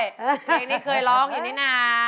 เพลงนี้เคยร้องอยู่นี่นะ